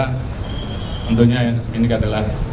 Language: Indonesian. tentunya yang seginik adalah